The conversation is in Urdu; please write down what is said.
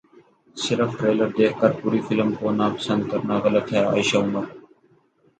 صرف ٹریلر دیکھ کر پوری فلم کو ناپسند کرنا غلط ہے عائشہ عمر